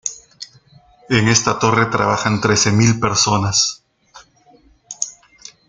En esta torre trabajan trece mil personas.